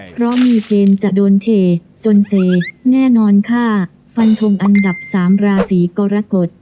เพราะมีเกณฑ์จะโดนเทจนเซแน่นอนค่ะฟันทงอันดับสามราศีกรกฎ